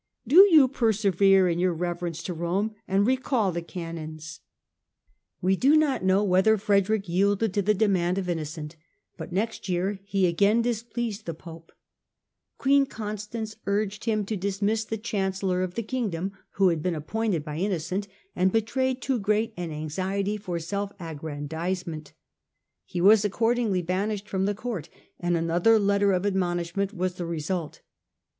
Do you persevere in your reverence to Rome and recall the Canons." INNOCENTHS Ccnutib 9 . lanuar. li POPE INNOCENT THE THIRD THE CHILD OF MOTHER CHURCH 33 We do not know whether Frederick yielded to the demand of Innocent, but next year he again displeased the Pope. Queen Constance urged him to dismiss the Chancellor of the Kingdom, who had been appointed by Innocent and betrayed too great an anxiety for self aggrandisement. He was accordingly banished from the Court and another letter of admonishment was the re sult.